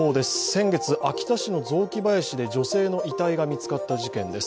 先月、秋田市の雑木林で女性の遺体が見つかった事件です。